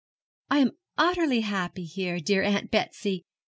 'I am utterly happy here, dear Aunt Betsy.